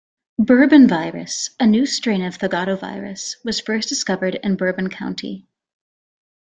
Bourbon virus, a new strain of thogotovirus, was first discovered in Bourbon County.